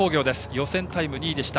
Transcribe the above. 予選タイム２位でした。